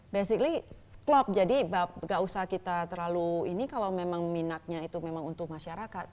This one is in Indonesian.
basically klop jadi gak usah kita terlalu ini kalau memang minatnya itu memang untuk masyarakat